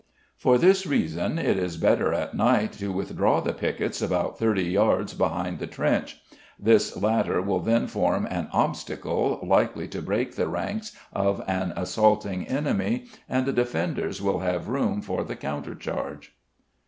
For this reason it is better at night to withdraw the piquets about 30 yards behind the trench; this latter will then form an obstacle likely to break the ranks of an assaulting enemy, and the defenders will have room for the counter charge.